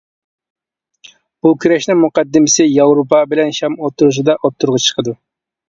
بۇ كۈرەشنىڭ مۇقەددىمىسى ياۋروپا بىلەن شام ئوتتۇرىسىدا ئوتتۇرىغا چىقىدۇ.